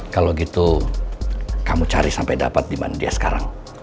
kalau gitu kamu cari sampai dapat di mana dia sekarang